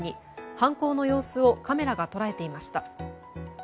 犯行の様子をカメラが捉えていました。